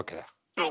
はい。